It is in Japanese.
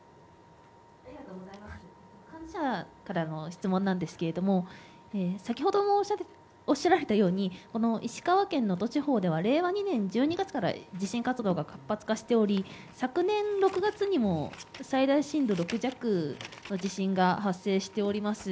質問なんですが先ほどもおっしゃられたように石川県能登地方では令和２年１２月から地震活動が活発化しており昨年６月にも、最大震度６弱の地震が発生しております。